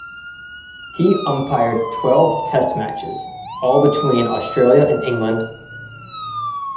He umpired twelve Test matches, all between Australia and England.